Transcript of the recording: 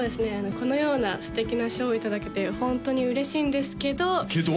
このような素敵な賞をいただけてホントに嬉しいんですけどけど？